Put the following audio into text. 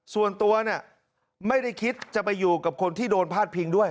ส่วนตัวเนี่ยไม่ได้คิดจะไปอยู่กับคนที่โดนพาดพิงด้วย